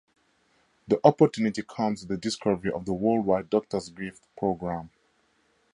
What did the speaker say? The opportunity comes with the discovery of the worldwide "Doctor's Gift" program.